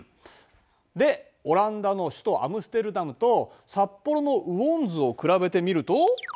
でオランダの首都アムステルダムと札幌の雨温図を比べてみると。